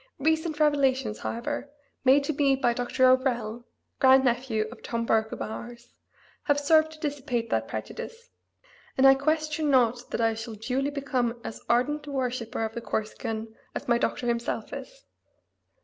Recent revelations, however, made to me by Dr. O'Rell (grandnephew of "Tom Burke of Ours"), have served to dissipate that prejudice, and I question not that I shall duly become as ardent a worshipper of the Corsican as my doctor himself is.